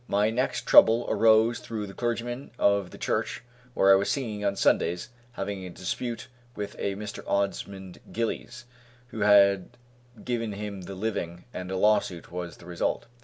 My next trouble arose through the clergyman of the church where I was singing on Sundays having a dispute with a Mr. Osmond Gillies, who had given him the living, and a lawsuit was the result.